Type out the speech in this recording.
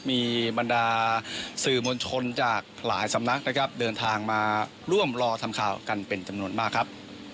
มีบรรดาสื่อมวลชนจากหลายสำนักนะครับเดินทางมาร่วมรอทำข่าวกันเป็นจำนวนมากครับ